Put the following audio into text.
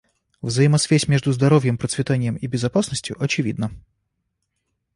Взаимосвязь между здоровьем, процветанием и безопасностью очевидна.